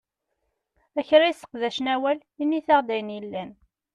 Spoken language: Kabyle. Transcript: A kra yesseqdacen awal, init-aɣ-d ayen yellan!